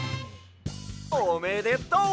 おめでとう！